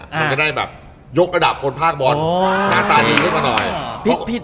มันจะได้ยกระดับคนพากบอลหน้าตาดีนิดหน่อย